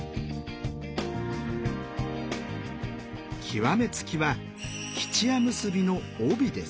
極め付きは「吉弥結び」の帯です。